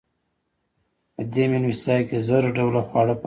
په دې مېلمستیا کې زر ډوله خواړه پاخه وو.